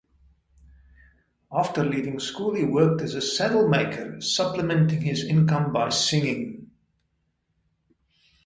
After leaving school, he worked as a saddlemaker, supplementing his income by singing.